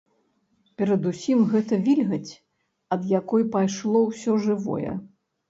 Перадусім гэта вільгаць, ад якой пайшло ўсё жывое.